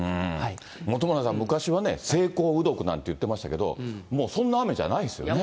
本村さん、昔はね、晴耕雨読なんていってましたけど、もうそんな雨じゃないんですよね。